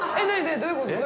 どういうこと？